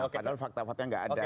padahal fakta faktanya nggak ada